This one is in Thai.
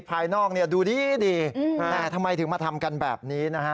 ภายนอกเนี่ยดูดีดีแต่ทำไมถึงมาทำกันแบบนี้นะฮะ